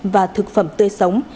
và thực phẩm tươi sống